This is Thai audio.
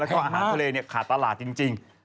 แล้วก็อาหารทะเลขาดตลาดจริง